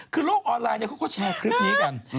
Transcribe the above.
คือโลกออนไลน์เขาก็แชร์คลิปนี้กัน